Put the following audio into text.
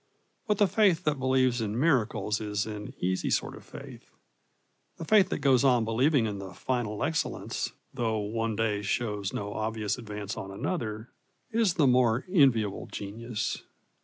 But the faith that believes in miracles is an easy sort of faith. The faith that goes on believing in the final excellence, though one day shows no obvious advance on another, is the more enviable genius.